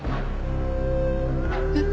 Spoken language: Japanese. えっ？